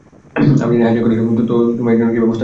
আমি জানি হাইজ্যাক হয়েছে, তো তুমি এরজন্য কী ব্যবস্থা নিলে?